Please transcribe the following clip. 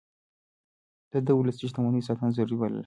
ده د ولسي شتمنيو ساتنه ضروري بلله.